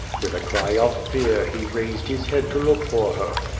With a cry of fear he raised his head to look for her.